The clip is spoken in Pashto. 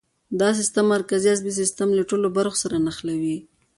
دا سیستم مرکزي عصبي سیستم له ټولو برخو سره نښلوي.